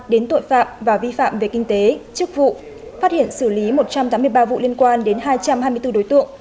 đến tội phạm và vi phạm về kinh tế chức vụ phát hiện xử lý một trăm tám mươi ba vụ liên quan đến hai trăm hai mươi bốn đối tượng